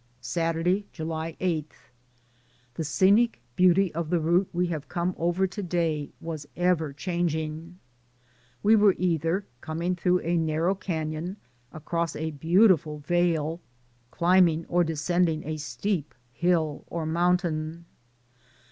Saturday, July 8. The scenic beauty of the route we have come over to day was ever changing. We were either coming through a narrow canon, across a beautiful vale, climbing or descend 136 DAYS ON THE ROAD. ing a steep hill or mountain.